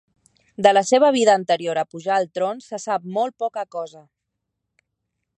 De la seva vida anterior a pujar al tron se sap molt poca cosa.